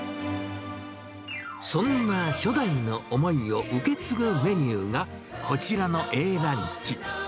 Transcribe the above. そんな初代の思いを受け継ぐメニューが、こちらのＡランチ。